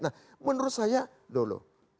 nah menurut saya loh loh